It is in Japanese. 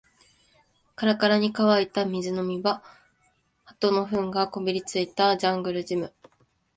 カラカラに乾いた水飲み場、鳩の糞がこびりついたジャングルジム